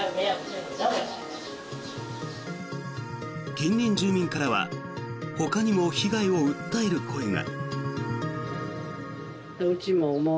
近隣住民からはほかにも被害を訴える声が。